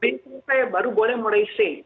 b selesai baru boleh mulai c